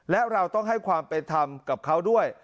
และเราต้องให้ความเป็นธรรมกับเขาด้วย